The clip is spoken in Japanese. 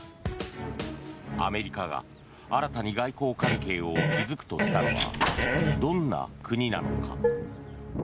アメリカが新たに外交関係を築くとしたのはどんな国なのか。